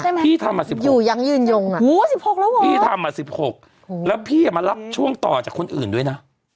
ใช่ไหมอยู่ยังยืนยงอ่ะอืมพี่ทำมา๑๖แล้วพี่อ่ะมารับช่วงต่อจากคนอื่นด้วยนะ